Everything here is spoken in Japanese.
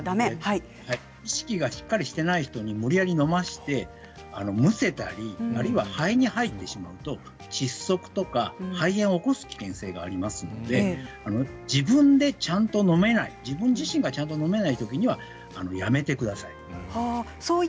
意識がしっかりしてない人に無理やり飲ませて、むせたり肺に入ってしまうと窒息とか肺炎を起こす危険性がありますので自分でちゃんと飲めない自分自身でちゃんと飲めないときはやめてください。